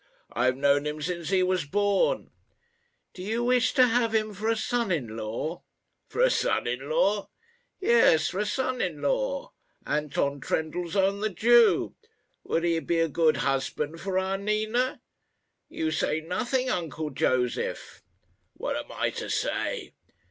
I have known him since he was born." "Do you wish to have him for a son in law?" "For a son in law?" "Yes, for a son in law Anton Trendellsohn, the Jew. Would he be a good husband for our Nina? You say nothing, uncle Josef." "What am I to say?"